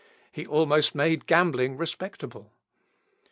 He almost made gambling respectable.